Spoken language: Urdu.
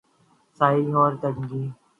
سائنسی اور تکنیکی